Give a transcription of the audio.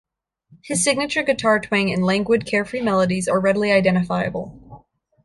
His signature guitar twang and languid, carefree melodies are readily identifiable.